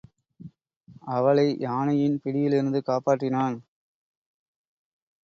அவளை யானையின் பிடியிலிருந்து காப்பாற்றினான்.